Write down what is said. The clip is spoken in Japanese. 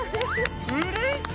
うれしい！